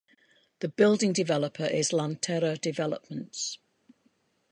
The building developer is Lanterra Developments.